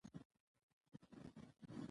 منی د افغانستان په هره برخه کې موندل کېږي.